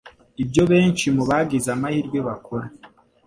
ibyo benshi mu bagize amahirwe bakora